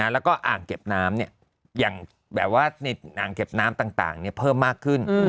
แล้วก็อ่างเก็บน้ำอ่างเก็บน้ำต่างเพิ่มมากขึ้น